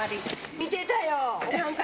見てたよ。